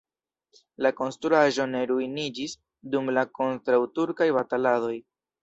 La konstruaĵo ne ruiniĝis dum la kontraŭturkaj bataladoj.